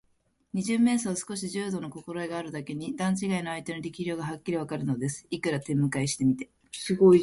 二十面相は少し柔道のこころえがあるだけに、段ちがいの相手の力量がはっきりわかるのです。いくら手むかいしてみても、とてもかなうはずはないとさとりました。